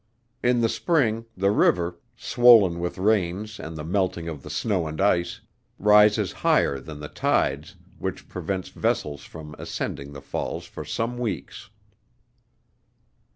In the spring, the river, swoln with rains and the melting of the snow and ice, rises higher than the tides, which prevents vessels from ascending the falls for some weeks.